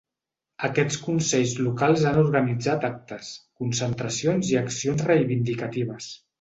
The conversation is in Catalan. Aquests consells locals han organitzat actes, concentracions i accions reivindicatives.